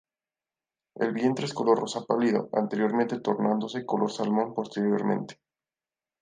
El vientre es color rosa pálido anteriormente tornándose color salmón posteriormente.